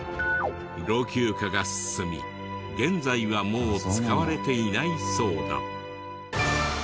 老朽化が進み現在はもう使われていないそうだ。